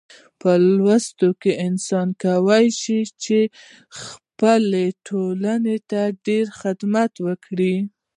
یو لوستی انسان کولی شي خپلې ټولنې ته ډیر خدمت وکړي.